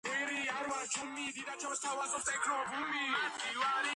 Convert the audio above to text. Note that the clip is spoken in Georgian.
ცხელი ზაფხულის დღეებში ხვრელთან გასაგრილებლად თავს იყრის ცხვარი.